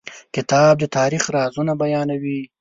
کتاب د تاریخ رازونه بیانوي.